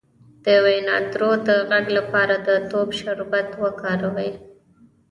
د وینادرو د غږ لپاره د توت شربت وکاروئ